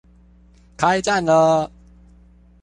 開站了